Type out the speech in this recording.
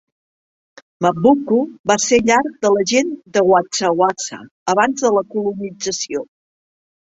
Mabvuku va ser llar de la gent de VaShawasha abans de la colonització.